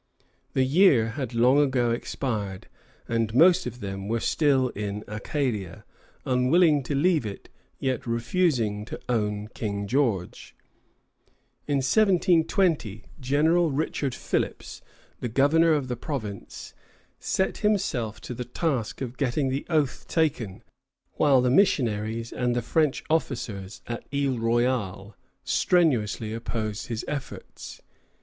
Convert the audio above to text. The year had long ago expired, and most of them were still in Acadia, unwilling to leave it, yet refusing to own King George. In 1720 General Richard Philipps, the governor of the province, set himself to the task of getting the oath taken, while the missionaries and the French officers at Isle Royale strenuously opposed his efforts.